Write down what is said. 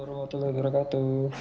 assalamualaikum warahmatullahi wabarakatuh